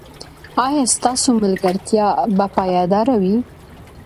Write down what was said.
ایا ستاسو ملګرتیا به پایداره وي؟